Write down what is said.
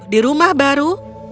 di rumah baru